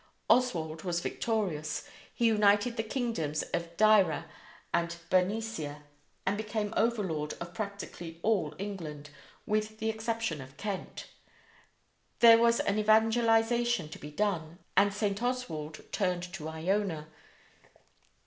Oswald was victorious; he united the kingdoms of Deira and Bernicia, and became overlord of practically all England, with the exception of Kent. There was evangelization to be done, and St. Oswald turned to Iona.